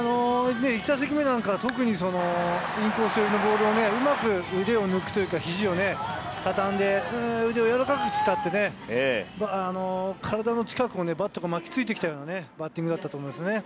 １打席目なんかは特にインコース寄りのボールをうまく腕を抜くというか、肘をたたんで、腕をうまく使って、体の近くをバットが巻きついてきたようなバッティングだったと思いますね。